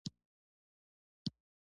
باز بهادر تر مرګه پورې پاته شو.